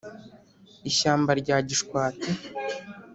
Ishyamba rya Gishwati.